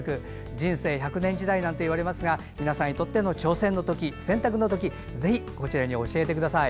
人生１００年時代なんていわれますが皆さんにとって挑戦の時選択の時ぜひこちらに教えてください。